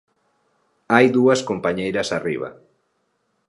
Hai dúas compañeiras arriba.